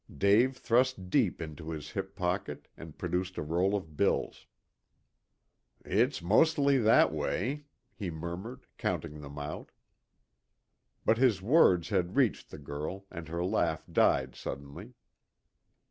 Dave thrust deep into his hip pocket, and produced a roll of bills. "It's mostly that way," he murmured, counting them out. But his words had reached the girl, and her laugh died suddenly.